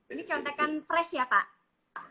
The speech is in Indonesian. ini contekan fresh ya pak